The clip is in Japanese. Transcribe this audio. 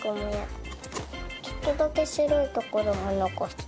ちょっとだけしろいところはのこす。